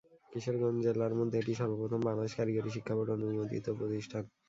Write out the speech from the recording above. কিশোরগঞ্জ জেলার মধ্যে এটিই সর্বপ্রথম বাংলাদেশ কারিগরি শিক্ষাবোর্ড অনুমোদিত প্রতিষ্ঠান।